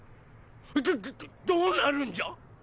どどうなるんじゃ！？